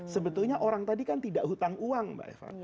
sebetulnya orang tadi kan tidak hutang uang mbak eva